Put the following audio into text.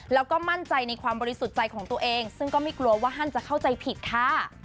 แล้วก็มั่นใจในความบริสุทธิ์ใจของตัวเองซึ่งก็ไม่กลัวว่าท่านจะเข้าใจผิดค่ะ